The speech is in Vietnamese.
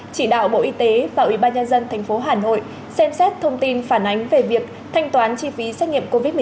chỉ đạo bộ y tế và ủy ban nhân dân tp hà nội xem xét thông tin phản ánh về việc thanh toán chi phí xét nghiệm covid một mươi chín